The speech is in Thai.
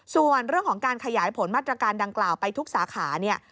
ส่วนเรื่องของการขยายผลมาตรการดังกล่าวไปทุกสาขาเนี่ย